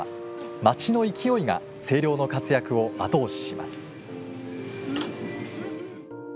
町の勢いが星稜の活躍を後押しします。